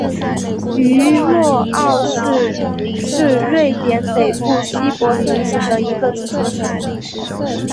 于默奥市是瑞典北部西博滕省的一个自治市。